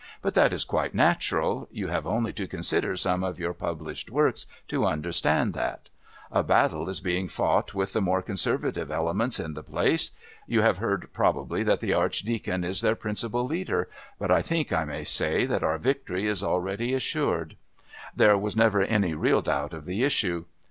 But that is quite natural; you have only to consider some of your published works to understand that. A battle is being fought with the more conservative elements in the place. You have heard probably that the Archdeacon is their principal leader, but I think I may say that our victory is already assured. There was never any real doubt of the issue.